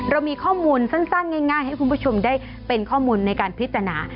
เรามีข้อมูลสั้นง่ายให้คุณผู้ชมได้เป็นข้อมูลในการพิจารณา